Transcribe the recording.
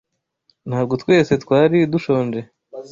Ntabwo twese twari dushonje.